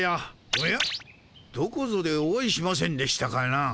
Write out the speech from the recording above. おやどこぞでお会いしませんでしたかな？